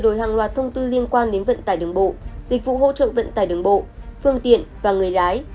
đổi hàng loạt thông tư liên quan đến vận tải đường bộ dịch vụ hỗ trợ vận tải đường bộ phương tiện và người lái